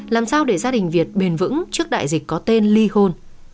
làm sao để gia đình việt bền vững trước đại dịch có tên li hôn